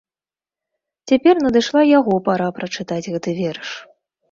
Цяпер надышла яго пара прачытаць гэты верш.